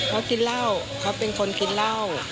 เขากินเหล้าเขาเป็นคนกินเหล้า